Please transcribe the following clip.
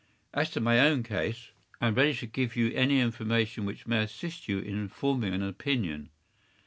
As to my own case, I am ready to give you any information which may assist you in forming an opinion.